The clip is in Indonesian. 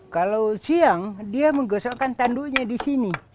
kalau siang dia menggosokkan tandunya di sini